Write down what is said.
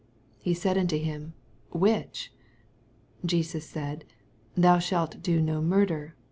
18 He said unto hirn. Which ? Jesus said. Thou shalt do no murder.